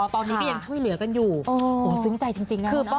ตอนนี้ก็ยังช่วยเหลือกันอยู่สึงใจจริงนะคุณอ้าม